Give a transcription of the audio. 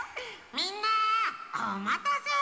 みんなおまたせ！